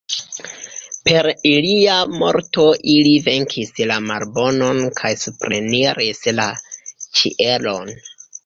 Per ilia morto ili venkis la malbonon kaj supreniris la ĉielon.